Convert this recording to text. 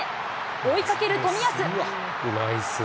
追いかける冨安。